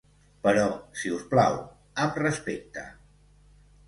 Però, si us plau, amb respecte.